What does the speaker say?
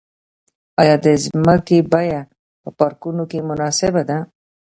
آیا د ځمکې بیه په پارکونو کې مناسبه ده؟